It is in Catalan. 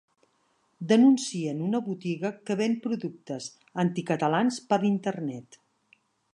Denuncien una botiga que ven productes «anticatalans» per Internet